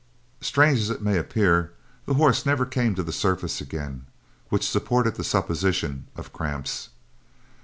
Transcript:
Strange as it may appear, the horse never came to the surface again, which supported the supposition of cramps.